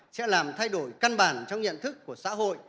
sẽ làm thay đổi căn bản trong nhận thức của xã hội